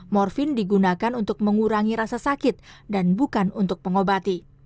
morfin digunakan untuk mengurangi rasa sakit dan bukan untuk pengobati